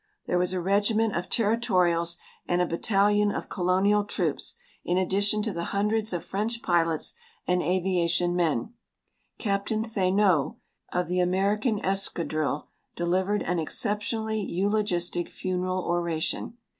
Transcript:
There was a regiment of Territorials and a battalion of Colonial troops in addition to the hundreds of French pilots and aviation men. Captain Thénault of the American Escadrille delivered an exceptionally eulogistic funeral oration.